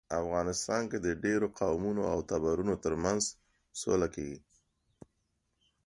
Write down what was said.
افغانستان کې د ډیرو قومونو او ټبرونو ترمنځ سوله کیږي